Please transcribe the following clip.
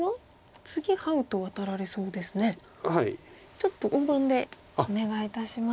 ちょっと大盤でお願いいたします。